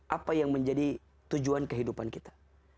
apa yang menjadi tujuan kehidupan kita